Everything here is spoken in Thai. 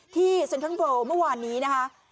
ที่เซ็นเทิร์นโฟล์เมื่อวานนี้นะคะ